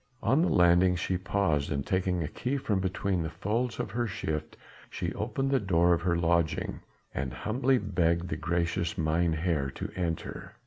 On the landing she paused and taking a key from between the folds of her shift she opened the door of her lodging and humbly begged the gracious mynheer to enter.